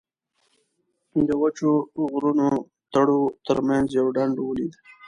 د وچو غرنیو تړو تر منځ یو ډنډ ولید.